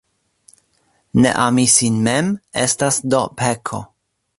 Ne ami sin mem, estas do peko.